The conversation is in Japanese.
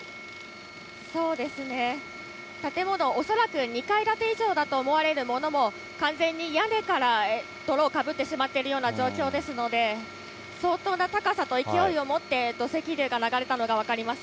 そうですね、建物、恐らく２階建て以上だと思われるものも、完全に屋根から泥をかぶってしまっているような状況ですので、相当な高さと勢いをもって、土石流が流れたのが分かります。